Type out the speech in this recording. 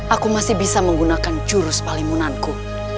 aku masih bisa menggunakan jurus palimunanku